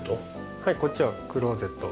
はいこっちはクローゼットに。